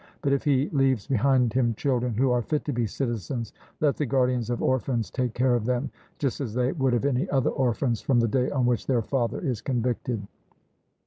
But if he leaves behind him children who are fit to be citizens, let the guardians of orphans take care of them, just as they would of any other orphans, from the day on which their father is convicted.